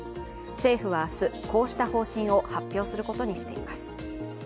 政府は明日、こうした方針を発表することにしています。